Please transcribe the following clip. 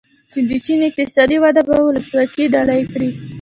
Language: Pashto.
د چین اقتصادي وده به ولسواکي ډالۍ کړي.